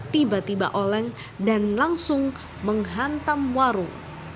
tiba tiba oleng dan langsung menghantam warung